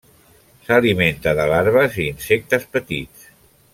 S'alimenta de larves i insectes petits.